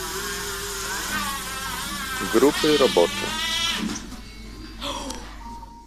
Grupy robocze